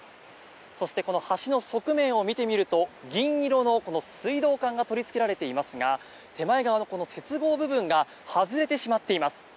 そして、橋の側面を見てみると銀色の水道管が取りつけられていますが手前側の接合部分が外れてしまっています。